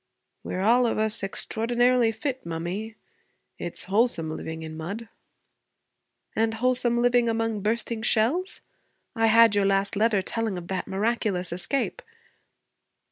'We're all of us extraordinarily fit, mummy. It's wholesome, living in mud.' 'And wholesome living among bursting shells? I had your last letter telling of that miraculous escape.'